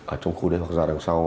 ở trong khu đấy hoặc ra đằng sau